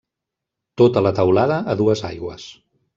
Tota la teulada a dues aigües.